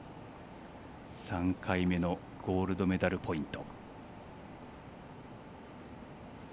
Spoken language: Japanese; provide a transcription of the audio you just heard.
３回目のゴールドメダルポイント。